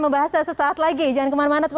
membahasnya sesaat lagi jangan kemana mana